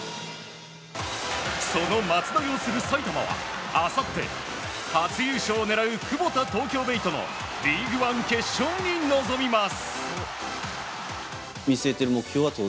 その松田を擁する埼玉はあさって初優勝を狙うクボタ東京ベイとのリーグワン決勝に臨みます。